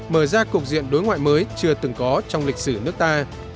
mở ra cục diện đối ngoại mới chưa từng có trong lịch sử nước ta